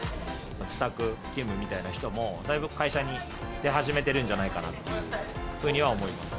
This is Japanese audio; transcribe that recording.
自宅勤務みたいな人も、だいぶ会社に出始めてるんじゃないかなっていうふうには思います。